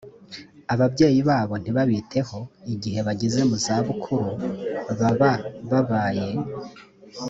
ababyeyi babo ntibabiteho igihe bageze mu za bukuru baba babaye